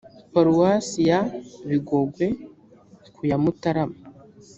paruwasi ya bigogwe kuya mutarama